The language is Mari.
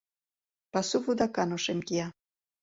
пасу вудакан ошем кия;